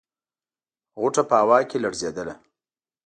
غوټه په هوا کې لړزېدله.